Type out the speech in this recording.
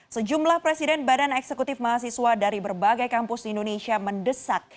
sejumlah presiden badan eksekutif mahasiswa dari berbagai kampus di indonesia mendesak